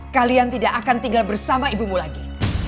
kalian tidak akan tinggal bersama ibumu lagi